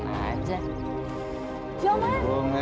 aku bantu kamu